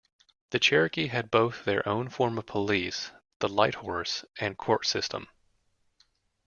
The Cherokee had both their own form of police, the Lighthorse, and court system.